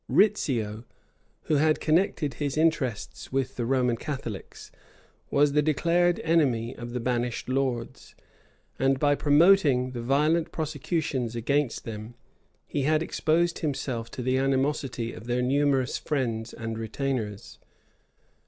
Rizzio, who had connected his interests with the Roman Catholics, was the declared enemy of the banished lords; and by promoting the violent prosecutions against them, he had exposed himself to the animosity of their numerous friends and retainers.